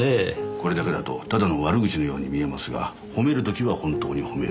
これだけだとただの悪口のように見えますが褒める時は本当に褒める。